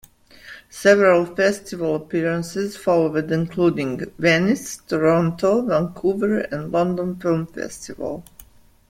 Several festival appearances followed including Venice, Toronto, Vancouver, and London Film Festival.